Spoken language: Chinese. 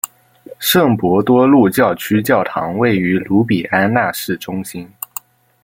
圣伯多禄教区教堂位于卢比安纳市中心。